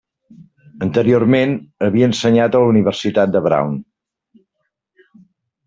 Anteriorment, havia ensenyat a la Universitat de Brown.